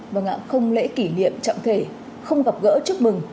vâng ạ không lễ kỷ niệm trọng thể không gặp gỡ chúc mừng